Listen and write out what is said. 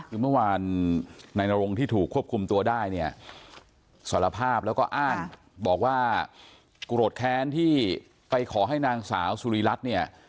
คือเมื่อวานนายนรงที่ถูกควบคุมตัวได้เนี่ยสารภาพแล้วก็อ้างบอกว่าโกรธแค้นที่ไปขอให้นางสาวสุริรัตน์เนี่ย